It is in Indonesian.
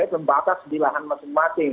terbatas di lahan masing masing